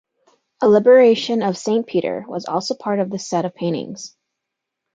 A "Liberation of Saint Peter" was also part of this set of paintings.